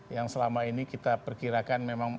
yang selama ini kita perkirakan memang